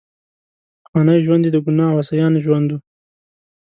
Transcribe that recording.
پخوانی ژوند یې د ګناه او عصیان ژوند وو.